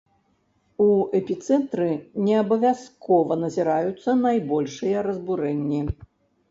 У эпіцэнтры неабавязкова назіраюцца найбольшыя разбурэнні.